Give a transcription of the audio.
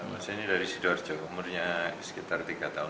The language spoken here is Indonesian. maksudnya ini dari sidoarjo umurnya sekitar tiga tahun